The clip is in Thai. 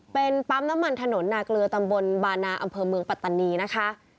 เป็นปั๊มน้ำมันถนนนาเกลือตำบลบานาอำเภอเมืองปัตตานีนะคะ